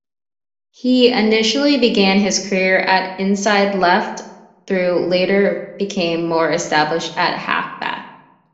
He initially began his career at inside-left, though later became more established at half-back.